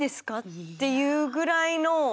っていうぐらいの。